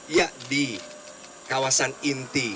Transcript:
ya di kawasan inti